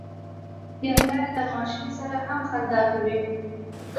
پیاله له ماشوم سره هم خندا کوي.